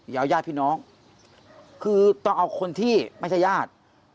เอาญาติพี่น้องคือต้องเอาคนที่ไม่ใช่ญาติ